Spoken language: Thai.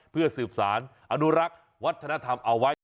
เพื่อสืบสารอนุรักษ์วัฒนธรรมเอาไว้